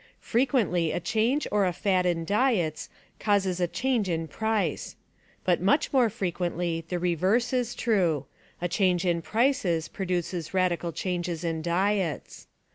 Frequently a change or a fad in diets causes a change in price. But much more frequently the reverse is true; a change in prices produces radical changes in diets.